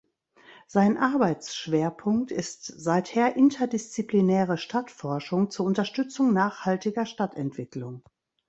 Sein Arbeitsschwerpunkt ist seither interdisziplinäre Stadtforschung zur Unterstützung nachhaltiger Stadtentwicklung.